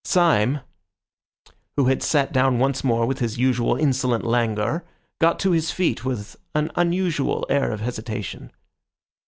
Syme, who had sat down once more with his usual insolent languor, got to his feet with an unusual air of hesitation.